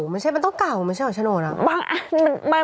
มันเก่ามันต้องเก่ามันใช่เหรอโฉนดอ่ะ